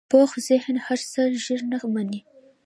پوخ ذهن هر څه ژر نه منې